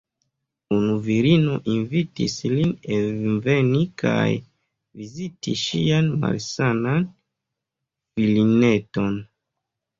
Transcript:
Unu virino invitis lin enveni kaj viziti ŝian malsanan filineton.